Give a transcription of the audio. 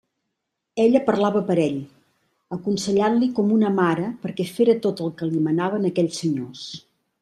Ella parlava per ell, aconsellant-li com una mare perquè fera tot el que li manaven aquells senyors.